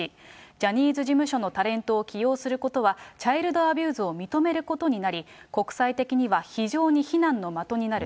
ジャニーズ事務所のタレントを起用することは、チャイルドアビューズを認めることになり、国際的には非常に非難の的になる。